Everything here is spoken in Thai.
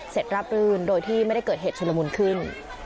เสร็จรับลืนโดยที่ไม่ได้เกิดเหตุสุลมุนขึ้น